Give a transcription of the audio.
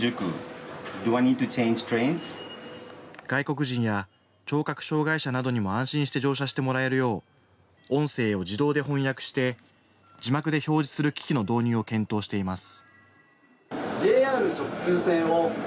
外国人や聴覚障害者などにも安心して乗車してもらえるよう音声を自動で翻訳して字幕で表示する機器の導入を検討しています。